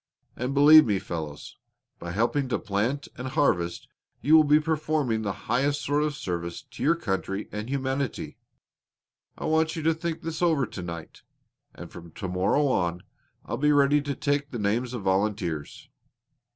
And, believe me, fellows, by helping to plant and harvest you will be performing the highest sort of service to your country and humanity. I want you to think this over to night, and from to morrow on I'll be ready to take the names of volunteers."